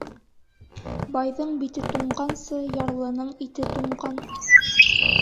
Байҙың бите туңғансы, ярлының ите туңған.